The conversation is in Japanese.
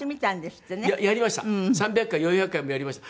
３００回４００回もやりました。